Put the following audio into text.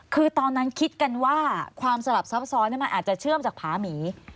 คือตอนนั้นคิดกันว่าความสลับซับซ้อนมันอาจจะเชื่อมจากผาหมี